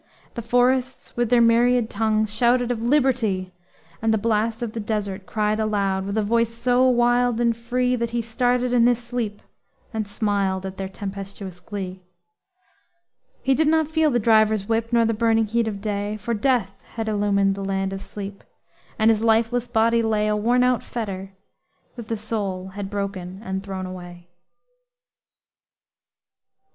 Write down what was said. The forests, with their myriad tongues, Shouted of liberty; And the Blast of the Desert cried aloud, With a voice so wild and free, That he started in his sleep and smiled At their tempestuous glee. He did not feel the driver's whip, Nor the burning heat of day; For Death had illumined the Land of Sleep, And his lifeless body lay A worn out fetter, that the soul Had broken and thrown away!